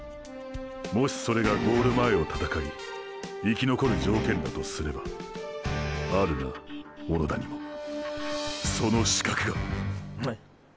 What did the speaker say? もしそれがゴール前を闘い生き残る条件だとすればあるな小野田にもその“資格”が！！っ！